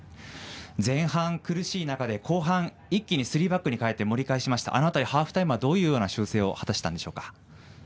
前半苦しい中で後半一気にスリーバックに変えて盛り返しましたがハーフタイムはどういう修正を果たしたんでしょうか。